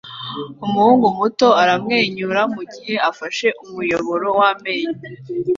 Umuhungu muto aramwenyura mugihe afashe umuyoboro wamenyo